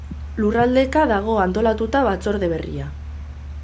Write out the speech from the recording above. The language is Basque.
Lurraldeka dago antolatuta batzorde berria.